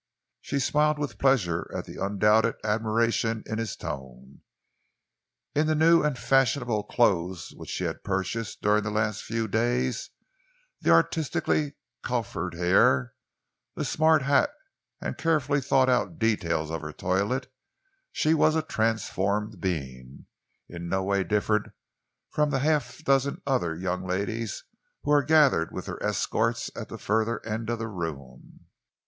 She smiled with pleasure at the undoubted admiration in his tone. In the new and fashionable clothes which she had purchased during the last few days, the artistically coiffured hair, the smart hat and carefully thought out details of her toilette, she was a transformed being, in no way different from the half a dozen other young ladies who were gathered with their escorts at the further end of the room.